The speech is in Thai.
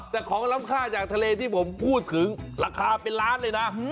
แต่ของล้ำค่าจากทะเลที่ผมพูดถึงราคาเป็นล้านเลยนะ